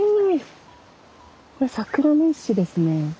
これ桜の一種ですね。